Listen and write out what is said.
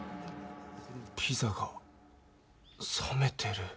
ピザがさめてる。